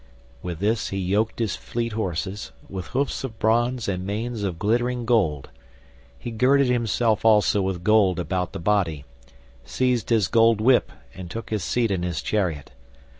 With this he yoked his fleet horses, with hoofs of bronze and manes of glittering gold. He girded himself also with gold about the body, seized his gold whip and took his seat in his chariot.